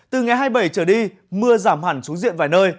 từ ngày hai mươi bảy trở đi mưa giảm hẳn xuống diện vài nơi